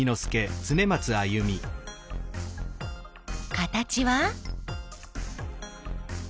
形は？